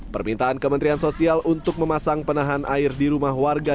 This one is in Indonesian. permintaan kementerian sosial untuk memasang penahan air di rumah warga